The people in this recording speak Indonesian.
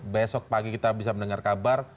besok pagi kita bisa mendengar kabar